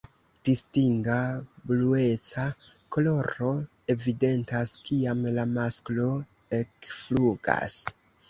Distinga blueca koloro evidentas kiam la masklo ekflugas.